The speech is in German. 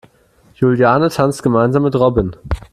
Juliane tanzt gemeinsam mit Robin.